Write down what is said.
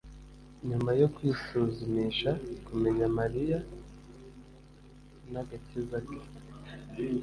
Nyuma yo kwisuzumisha, kumenya Mariya ni agakiza ke